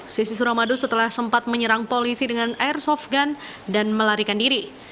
sisi suramadu setelah sempat menyerang polisi dengan airsoft gun dan melarikan diri